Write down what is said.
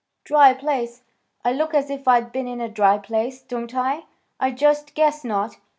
"Dry place! I look as if I'd been in a dry place, don't I? I just guess not.